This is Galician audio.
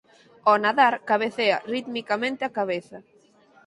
Ó nadar cabecea ritmicamente a cabeza.